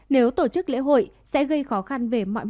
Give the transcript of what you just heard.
nếu tổ chức lễ hội sẽ gây khó khăn